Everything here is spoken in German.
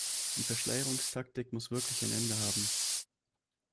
Die Verschleierungstaktik muss wirklich ein Ende haben!